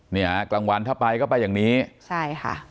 เนี่ยกลางวันถ้าไปก็ไปอย่างนี้ใช่ค่ะ